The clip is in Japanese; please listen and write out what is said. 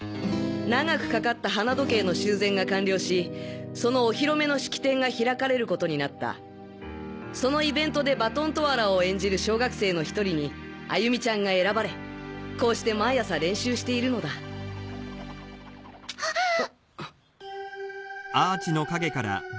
長くかかった花時計の修繕が完了しそのお披露目の式典が開かれることになったそのイベントでバトントワラーを演じる小学生の１人に歩美ちゃんが選ばれこうして毎朝練習しているのだあっ！？